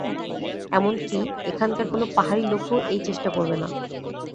এমনকি এখানকার কোন পাহাড়ি লোকও এই চেষ্টা করবে না।